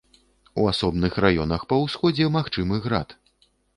У асобных раёнах па ўсходзе магчымы град.